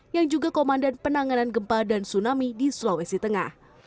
yang juga komandan penanganan gempa dan tsunami di sulawesi tengah